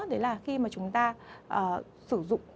đấy là khi mà chúng ta sử dụng